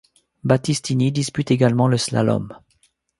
Battistini dispute également le slalom.